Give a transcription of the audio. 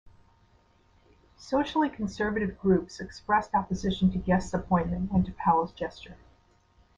Socially conservative groups expressed opposition to Guest's appointment and to Powell's gesture.